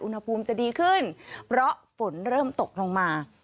อุณหภูมิจะดีขึ้นเพราะฝนเริ่มตกลงมา